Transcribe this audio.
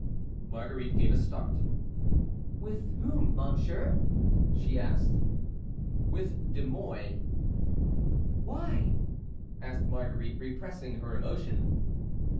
Marguerite gave a start. "With whom, monsieur?" she asked. "With De Mouy." "Why?" asked Marguerite, repressing her emotion.